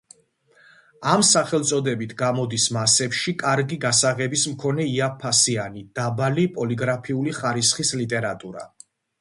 ამ სახელწოდებით გამოდის მასებში კარგი გასაღების მქონე იაფფასიანი, დაბალი პოლიგრაფიული ხარისხის ლიტერატურა.